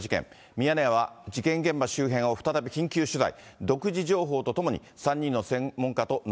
ミヤネ屋は事件現場周辺を再び緊急取材。